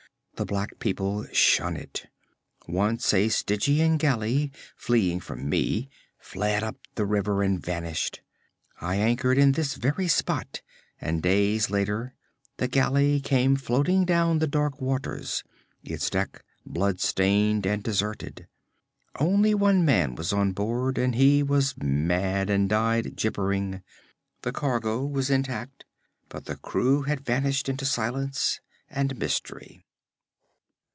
The black people shun it. Once a Stygian galley, fleeing from me, fled up the river and vanished. I anchored in this very spot, and days later, the galley came floating down the dark waters, its decks blood stained and deserted. Only one man was on board, and he was mad and died gibbering. The cargo was intact, but the crew had vanished into silence and mystery.